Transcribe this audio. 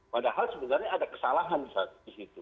padahal sebenarnya ada kesalahan disitu